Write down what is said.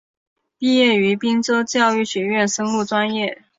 毕业于滨州教育学院生物专业。